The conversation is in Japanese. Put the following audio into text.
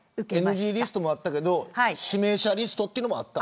ＮＧリストもあったけど指名者リストもあった。